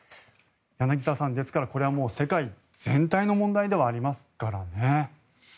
柳澤さん、ですからこれはもう世界全体の問題ではありますからね。